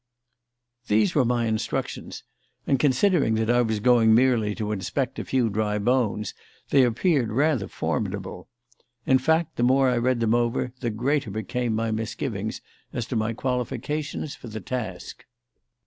These were my instructions, and, considering that I was going merely to inspect a few dry bones, they appeared rather formidable; in fact, the more I read them over the greater became my misgivings as to my qualifications for the task.